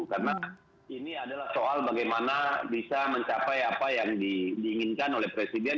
karena ini adalah soal bagaimana bisa mencapai apa yang diinginkan oleh presiden